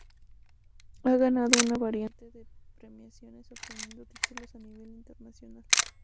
Ha ganado una variedad de premiaciones obteniendo títulos a nivel internacional.